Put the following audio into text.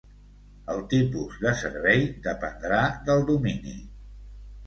El tipus de servei dependrà del domini.